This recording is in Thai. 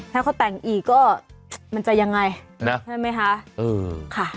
ถ้าเขาแต่งอีกก็มันจะยังไงนะใช่ไหมคะ